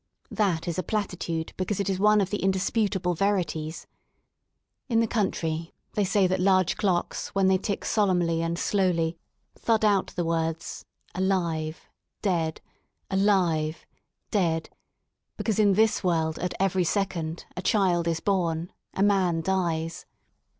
That is a plati tude because St is one of the indisputable verities. In the country they say that large clocks when they tick solemnly and slowly^ thud out the words: *' Alive — Dead; Alive — Dead^* — because in this world at every second a child is born, a man dies.